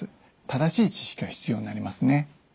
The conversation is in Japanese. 正しい知識は必要になりますね。